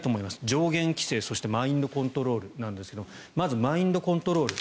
上限規制そしてマインドコントロールなんですがまずマインドコントロール。